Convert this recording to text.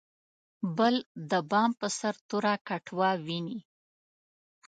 بل د بام په سر توره کټوه ویني.